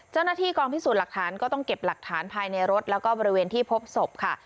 เจ้าหน้าที่กองพิสูจน์หลักฐานก็ต้องเก็บหลักฐานภายในรถแล้วก็บริเวณที่พบศพค่ะ